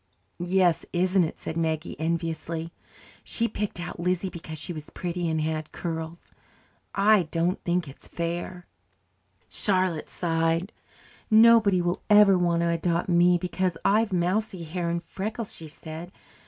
"Yes, isn't it?" said Maggie enviously. "She picked out Lizzie because she was pretty and had curls. I don't think it is fair." Charlotte sighed. "Nobody will ever want to adopt me, because I've mousy hair and freckles," she said.